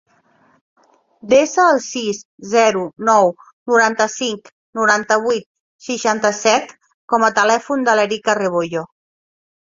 Desa el sis, zero, nou, noranta-cinc, noranta-vuit, seixanta-set com a telèfon de l'Erika Rebollo.